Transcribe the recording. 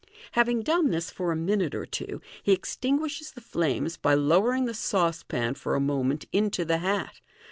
Having done this for a minute or two, he extinguishes the flames by lowering the saucepan for a moment into the hat.